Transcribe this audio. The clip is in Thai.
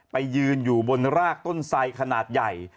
ไปยืนอยู่บนรากต้นไสขนาดใหญ่